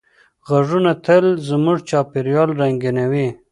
غږونه تل زموږ چاپېریال رنګینوي.